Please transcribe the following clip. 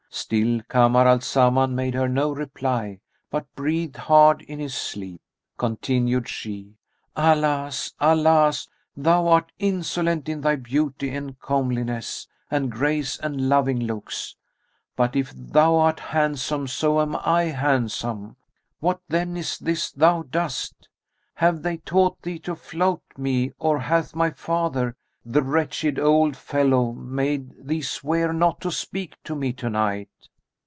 Still Kamar al Zaman made her no reply but breathed hard in his sleep. Continued she, "Alas! Alas! thou art insolent in thy beauty and comeliness and grace and loving looks! But if thou art handsome, so am I handsome; what then is this thou dost? Have they taught thee to flout me or hath my father, the wretched old fellow,[FN#269] made thee swear not to speak to me to night?"